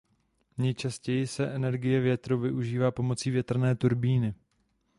Nejčastěji se energie větru využívá pomocí větrné turbíny.